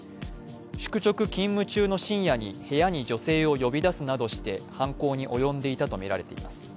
宿直勤務中の深夜に部屋に女性を呼び出すなどして犯行に及んでいたとみられています。